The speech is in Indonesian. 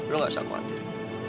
lu gak usah khawatir